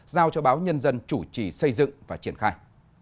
giao cho báo nhân dân chủ trì xây dựng và triển khai